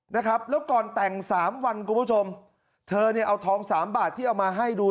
นะครับแล้วก่อนแต่งสามวันคุณผู้ชมเธอเนี่ยเอาทองสามบาทที่เอามาให้ดู